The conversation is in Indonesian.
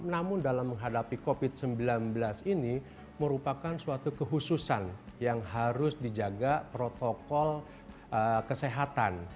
namun dalam menghadapi covid sembilan belas ini merupakan suatu kehususan yang harus dijaga protokol kesehatan